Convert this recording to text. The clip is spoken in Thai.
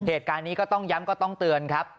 เหตุการณ์นี้ก็ต้องย้ำก็ต้องเตือนครับ